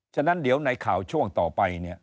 ฉะนั้นเดี๋ยวในข่าวช่วงต่อไปเนี่ย